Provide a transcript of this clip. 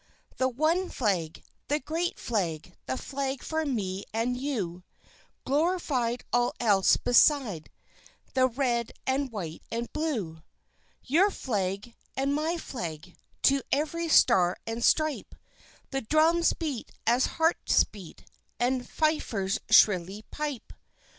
The one flag the great flag the flag for me and you Glorified all else beside the red and white and blue! Your flag and my flag! To every star and stripe The drums beat as hearts beat, And fifers shrilly pipe!